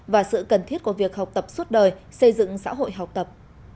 và sự cần thiết của việc học tập suốt đời xây dựng xã hội học tập